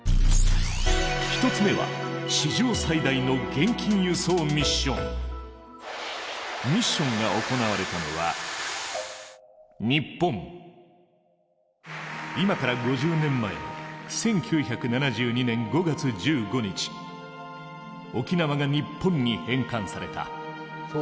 １つ目はミッションが行われたのは今から５０年前の１９７２年５月１５日沖縄が日本に返還された。